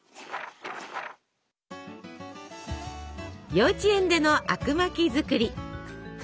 幼稚園でのあくまき作り。